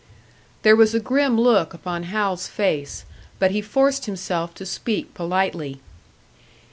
There was a grim look upon Hal's face, but he forced himself to speak politely.